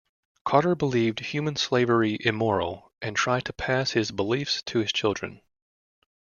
Carter believed human slavery immoral, and tried to pass his beliefs to his children.